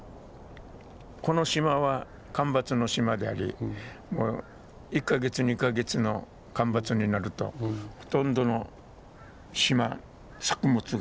この島は干ばつの島であり１か月２か月の干ばつになるとほとんどの島作物が枯れてしまうんですよね。